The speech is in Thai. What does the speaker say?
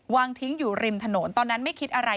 วางทิ้งอยู่ริมถนนตอนนั้นไม่คิดอะไร